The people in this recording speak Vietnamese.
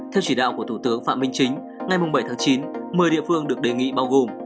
theo chỉ đạo của thủ tướng phạm minh chính ngày bảy chín một mươi địa phương được đề nghị bao gồm